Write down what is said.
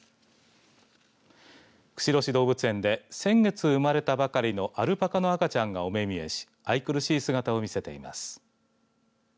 釧路市動物園で先月生まれたばかりのアルパカの赤ちゃんがお目見えし愛くるしい姿を見せています。